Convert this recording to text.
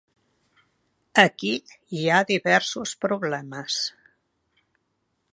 Aquí hi ha diversos problemes.